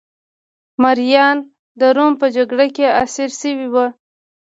مریان د روم په جګړه کې اسیر شوي وو